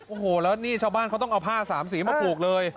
โอ้โหแล้วนี่ชาวบ้านเขาต้องเอาผ้าสามสีมาผูกเลย